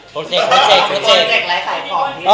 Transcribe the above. โปรเจค